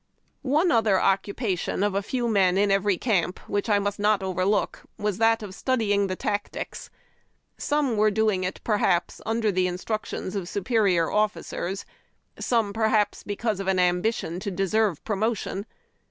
One other occupation of a few men in every camp, which I must not overlook, was that of studying the tactics. Some were doing it, perhaps, under the instructions of superior officers ; some because of an ambition to deserve promotion.